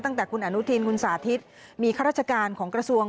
ตั้งแต่คุณอนุทินคุณสาธิตมีข้าราชการของกระทรวง